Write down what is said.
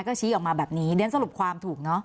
ก็ชี้ออกมาแบบนี้เรียกประสาททวมความถูกเนอะ